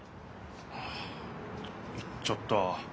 ああ行っちゃった。